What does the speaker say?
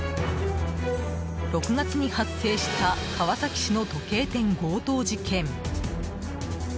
６月に発生した川崎市の時計店強盗事件。